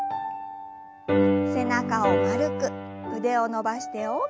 背中を丸く腕を伸ばして大きく後ろ。